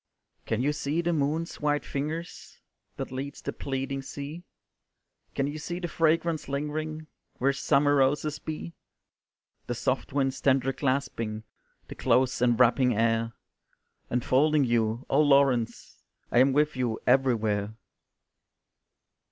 "Can you see the moon's white fingers, That leads the pleading sea? Can you see the fragrance lingering Where summer roses be? The soft winds tender clasping, The close enwrapping air Enfolding you Oh, Laurence, I am with you everywhere."